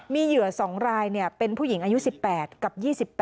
มีเหยื่อ๒รายเป็นผู้หญิงอายุ๑๘กับ๒๘